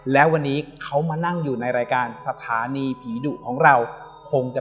และวันนี้เขามานั่งอยู่ในรายการสถานีผีดุของเราคงจะ